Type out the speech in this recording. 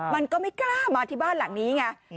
มันก็ไม่กล้ามาที่บ้านหลังนี้ไง